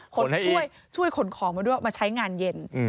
ขนให้อีกช่วยขนของมาด้วยมาใช้งานเย็นอืม